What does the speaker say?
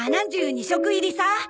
７２色入りさ。